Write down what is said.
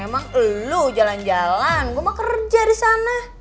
emang lu jalan jalan gue mah kerja di sana